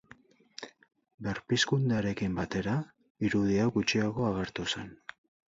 Berpizkundearekin batera irudi hau gutxiago agertu zen.